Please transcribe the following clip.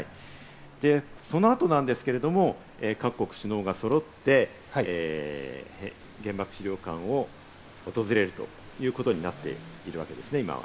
その後なんですけれども、各国首脳が揃って原爆資料館を訪れるということになっているんですね。